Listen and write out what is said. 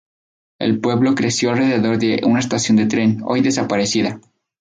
El pueblo creció alrededor de una estación de tren, hoy desaparecida.